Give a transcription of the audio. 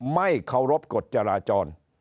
ไม่เคารพกฎจราจร